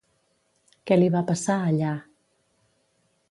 Què li va passar allà?